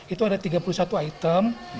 itu ada tiga puluh satu item